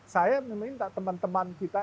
saya meminta teman teman kita